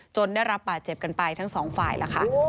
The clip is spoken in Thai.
ได้รับบาดเจ็บกันไปทั้งสองฝ่ายล่ะค่ะ